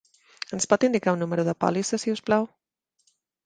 Ens pot indicar el número de pòlissa, si us plau?